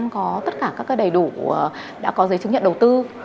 có tất cả các đầy đủ đã có giấy chứng nhận đầu tư